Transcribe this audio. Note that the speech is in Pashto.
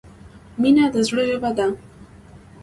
• مینه د زړۀ ژبه ده.